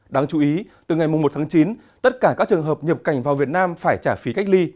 đáng chú ý từ ngày một tháng chín tất cả các trường hợp nhập cảnh vào việt nam phải trả phí cách ly